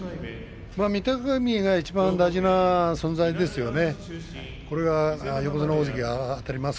御嶽海が大事な存在ですよね。